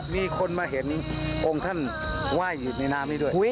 มีคนมาเห็นองค์ท่านไหว้อยู่ในน้ำนี้ด้วย